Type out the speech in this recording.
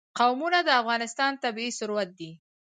قومونه د افغانستان طبعي ثروت دی.